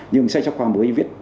nhưng sách cho khoa mới viết